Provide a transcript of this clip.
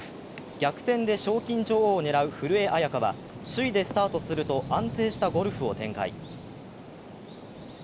逆転で賞金女王を狙う古江彩佳は首位でスタートすると安定したゴルフを展開。